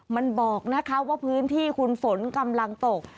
มันบอกนะคะว่าพื้นที่คุณฝนกำลังตก